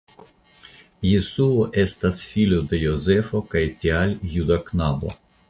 Jesuo estas filo de Jozefo kaj tial juda knabo.